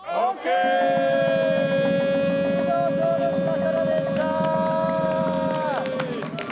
以上、小豆島からでした。